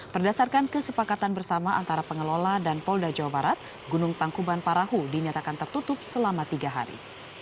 berdasarkan kesepakatan bersama antara pengelola dan polda jawa barat gunung tangkuban parahu dinyatakan tertutup selama tiga hari